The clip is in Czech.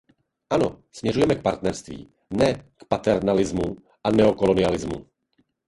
Ano směřujme k partnerství, ne k paternalismu a neokolonialismu!